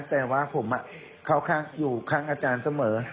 เพราะว่าผมอยู่ข้างอาจารย์เสมอ